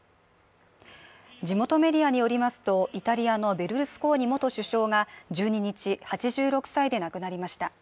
地元メディアによりますと、イタリアのベルルスコーニ元首相が１２日、８６歳で亡くなりました。